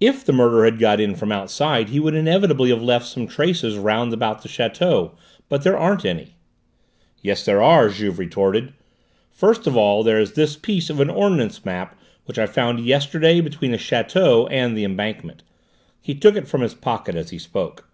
"If the murderer had got in from outside he would inevitably have left some traces round about the château, but there aren't any." "Yes there are," Juve retorted. "First of all there is this piece of an ordnance map which I found yesterday between the château and the embankment." He took it from his pocket as he spoke.